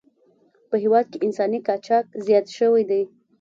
په هېواد کې انساني قاچاق زیات شوی دی.